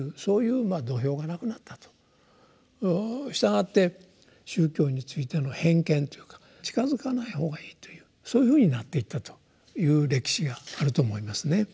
したがって宗教についての偏見というか近づかない方がいいというそういうふうになっていったという歴史があると思いますね。